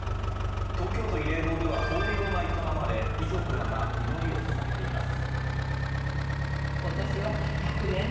東京都慰霊堂では法要が営まれ遺族らが祈りをささげています。